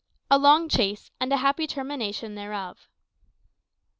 A LONG CHASE, AND A HAPPY TERMINATION THEREOF.